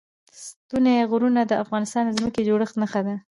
ستوني غرونه د افغانستان د ځمکې د جوړښت نښه ده.